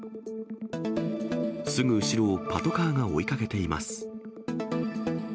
すぐ後ろをパトカーが追いかけています。